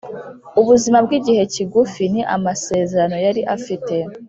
Ubuzima bw’igihe kigufi ni amasezerano yari afite